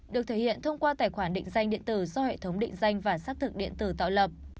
được thể hiện thông qua tài khoản định danh điện tử do hệ thống định danh và xác thực điện tử tạo lập